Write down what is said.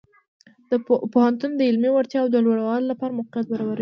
پوهنتون د علمي وړتیاو د لوړولو لپاره موقعیت برابروي.